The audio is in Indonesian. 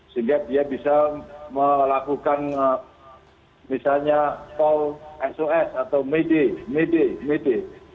sehingga dia bisa melakukan misalnya call sos atau midi midi midi